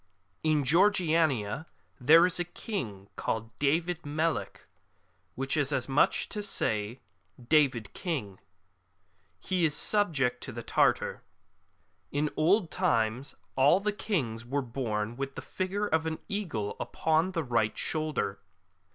In Georgiania there is a King called David Melic, which is as much as to say '' David King "; he is subject to the Tartar,^ In old times all the kinos were born with the figure of an eagle upon the right shoulder.